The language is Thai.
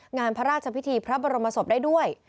งานพระราชพิธีพระบรมศพได้ด้วย